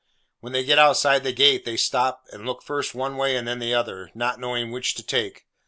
When they get outside the gate, they stop, and look first one way and then the other; not knowing which to take.